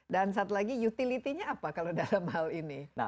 dan satu lagi utility nya apa kalau dalam hal ini